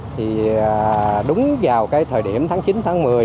thì đúng vào cái thời điểm tháng chín tháng một mươi